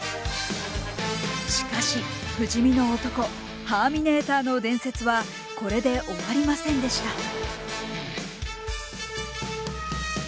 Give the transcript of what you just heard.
しかし不死身の男ハーミネーターの伝説はこれで終わりませんでした。